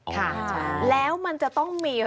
ค่ะแล้วมันจะต้องมี